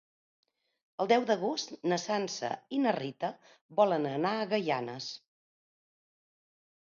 El deu d'agost na Sança i na Rita volen anar a Gaianes.